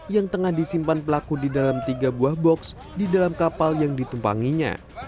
yang tengah disimpan pelaku di dalam tiga buah box di dalam kapal yang ditumpanginya